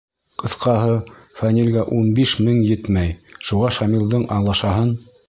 — Ҡыҫҡаһы, Фәнилгә ун биш мең етмәй, шуға Шамилдың алашаһын...